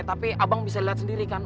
tapi abang bisa lihat sendiri kan